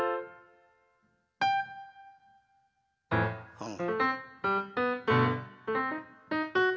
うん。